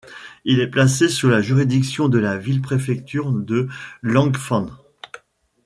Il est placé sous la juridiction de la ville-préfecture de Langfang.